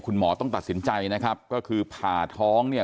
ต้องตัดสินใจนะครับก็คือผ่าท้องเนี่ย